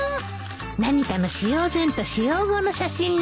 何かの使用前と使用後の写真ね